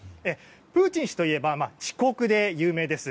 プーチン氏といえば遅刻で有名です。